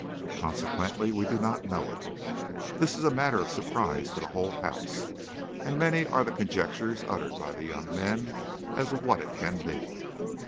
Consequently we do not know it. This is a matter of surprise to the whole house, and many are the conjectures uttered by the young men as to what it can be.